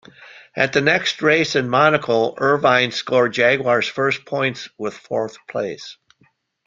At the next race in Monaco, Irvine scored Jaguar's first points with fourth place.